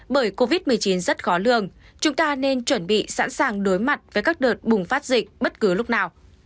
bởi covid một mươi chín rất khó lường chúng ta nên chuẩn bị sẵn sàng đối mặt với các đợt bùng phát dịch bất cứ lúc nào